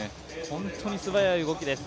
本当に素早い動きです。